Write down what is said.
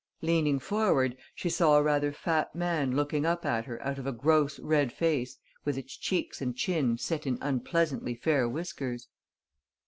Leaning forward, she saw a rather fat man looking up at her out of a gross red face with its cheeks and chin set in unpleasantly fair whiskers.